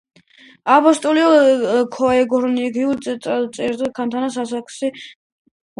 აბსოლუტური გეოქრონოლოგიური წელთაღრიცხვა ქანთა ასაკს განსაზღვრავს დროის ერთეულებში, ჩვეულებრივ, მილიონ წლებში.